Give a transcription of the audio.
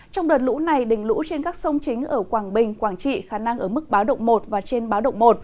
trong đợt lũ này đỉnh lũ trên các sông chính ở quảng bình quảng trị khả năng ở mức báo động một và trên báo động một